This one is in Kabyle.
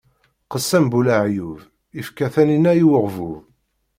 Qessam bu leɛyub, ifka taninna i uɣbub.